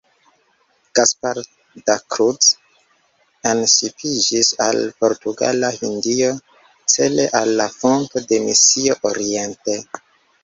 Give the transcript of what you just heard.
Gaspar da Cruz enŝipiĝis al Portugala Hindio cele al la fondo de misio Oriente.